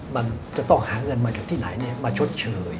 มันจะต้องหาเงินมาจากที่ไหนมาชดเชย